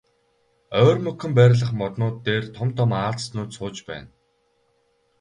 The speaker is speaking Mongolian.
Ойрмогхон байрлах моднууд дээр том том аалзнууд сууж байна.